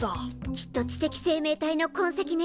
きっと知的生命体のこんせきね。